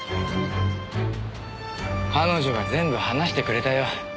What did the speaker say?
彼女が全部話してくれたよ。